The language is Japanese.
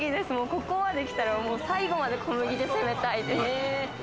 ここまで来たら、最後まで小麦で攻めたいです。